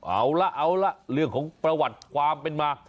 เอาละเอาละเรื่องของประวัติความเป็นมา